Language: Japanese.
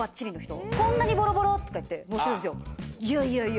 こんなにボロボロとか言って載せてるんですよ。